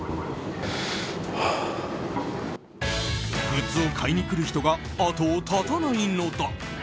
グッズを買いに来る人が後を絶たないのだ。